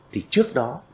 thì trước đó